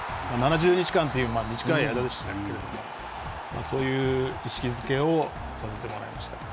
７０日間という短い間でしたけれどもそういう意識づけをさせてもらいました。